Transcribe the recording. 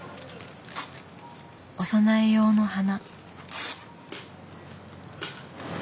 お供え用の花。